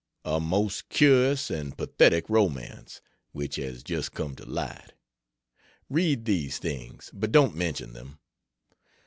A most curious and pathetic romance, which has just come to light. Read these things, but don't mention them.